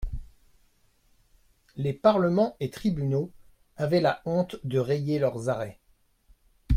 Les Parlements et tribunaux avaient la honte de rayer leurs arrêts.